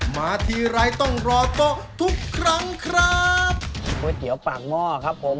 มาทีไรต้องรอโต๊ะทุกครั้งครับก๋วยเตี๋ยวปากหม้อครับผม